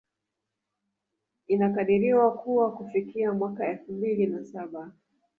Inakadiriwa kuwa kufikia mwaka elfu mbili na saba